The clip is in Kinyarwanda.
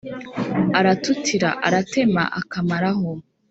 aratutira: aratema akamaraho